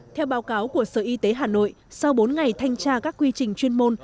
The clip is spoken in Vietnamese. theo báo cáo của sở y tế hà nội sau bốn ngày thanh tra các quy trình chuyên môn